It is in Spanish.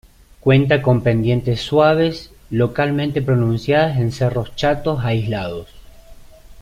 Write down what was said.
Cuenta con pendientes suaves, localmente pronunciadas en cerros chatos aislados.